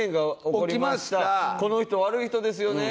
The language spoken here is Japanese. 「この人悪い人ですよね」